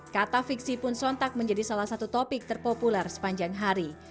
kata fiksi pun sontak menjadi salah satu topik terpopuler sepanjang hari